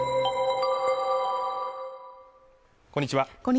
こんにちは。